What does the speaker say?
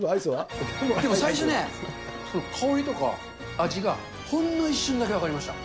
でも最初ね、香りとか味がほんの一瞬だけ分かりました。